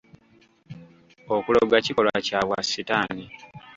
Okuloga kikolwa kya bwa sitaani.